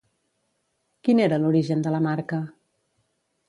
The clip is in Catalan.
Quin era l'origen de la marca?